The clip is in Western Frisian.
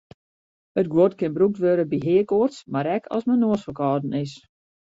It guod kin brûkt wurde by heakoarts mar ek as men noasferkâlden is.